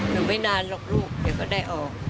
ถูกจมายนานล่ะลูกเดี๋ยวก็ได้ออก